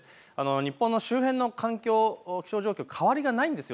日本の周辺の環境、気象状況、変わりがないんです。